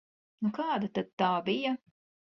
Nu, kāda tad tā bija?